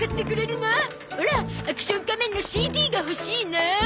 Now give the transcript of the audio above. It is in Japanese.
オラアクション仮面のＣＤが欲しいなあ。